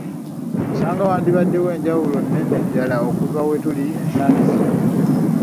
Osanga wandibaddewo enjawulo nnene ddala okuva we tuli ensangi zino.